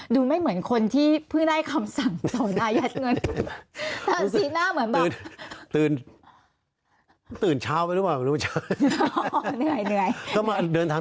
ดูไม่เหมือนคนที่เพื่อยได้คำสั่งทรงนะเงิน